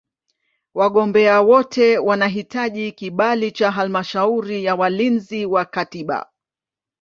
Wagombea wote wanahitaji kibali cha Halmashauri ya Walinzi wa Katiba.